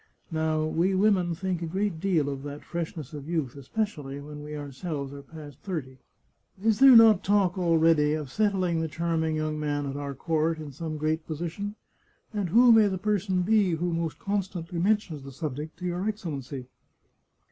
Now, we women think a great deal of that freshness of youth, especially when we ourselves are past thirty. Is there not talk already of set tling the charming young man at our court in some great position? and who may the person be who most constantly mentions the subject to your Excellency?